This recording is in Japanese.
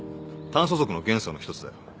炭素族の元素の一つだよ。